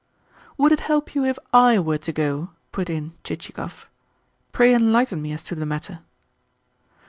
"Would it help you if I were to go?" put in Chichikov. "Pray enlighten me as to the matter."